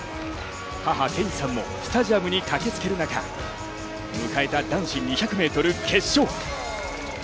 母・ケインさんもスタジアムに駆けつける中、迎えた男子２００ｍ決勝。